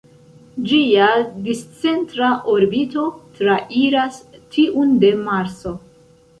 Ĝia discentra orbito trairas tiun de Marso.